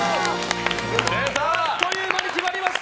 あっという間に決まりました！